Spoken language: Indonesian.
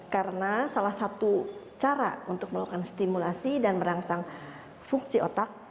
karena salah satu cara untuk melakukan stimulasi dan merangsang fungsi otak